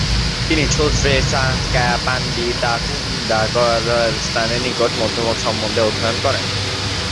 তিনি ছোস-র্জে-সা-স্ক্যা-পান-ডি-তা-কুন-দ্গা'-র্গ্যাল-ম্ত্শানের নিকট মধ্যমক সম্বন্ধে অধ্যয়ন করেন।